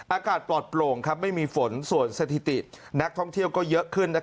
อากาศปลอดโปร่งไม่มีฝนส่วนสถิตินักท่องเที่ยวก็เยอะขึ้น